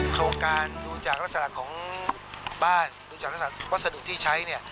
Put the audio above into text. โครงการดูจากวัสดุของบ้านดูจากวัสดุที่ใช้